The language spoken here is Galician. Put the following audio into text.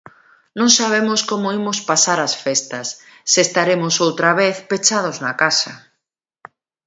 Non sabemos como imos pasar as festas, se estaremos outra vez pechados na casa...